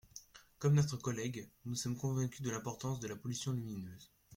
Comme notre collègue, nous sommes convaincus de l’importance de la pollution lumineuse.